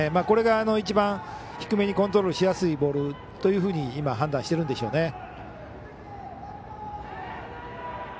これが一番低めにコントロールしやすいボールだと今、判断してるんでしょうね。